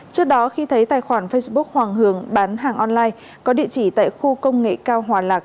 trước đó khi thấy tài khoản facebook hoàng hường bán hàng online có địa chỉ tại khu công nghệ cao hòa lạc